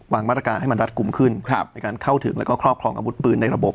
มาตรการให้มันรัดกลุ่มขึ้นในการเข้าถึงแล้วก็ครอบครองอาวุธปืนในระบบ